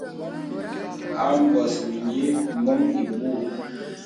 A mbus mìnyì mɔ̀m ìbùù.